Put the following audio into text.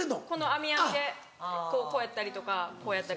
あみあみでこうやったりとかこうやったりとか。